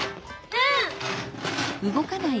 うん！